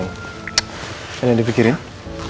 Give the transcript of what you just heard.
memang eloy menkuruhnya samalon rereing ya